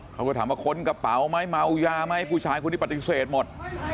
เขาก็ถามว่าค้นกระเป๋าไหมเมายาไหมผู้ชายคนนี้ปฏิเสธหมด